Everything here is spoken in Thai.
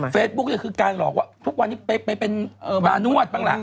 เฟซบุ๊กนี่คือการหลอกว่าทุกวันนี้ไปเป็นมานวดบ้างละ